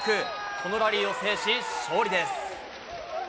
このラリーを制し、勝利です。